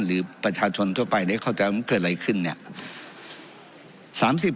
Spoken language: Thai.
หรือประชาชนทั่วไปเนี่ยเข้าใจว่าเกิดอะไรขึ้นเนี่ย